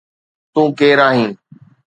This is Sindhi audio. تو ڪير آهين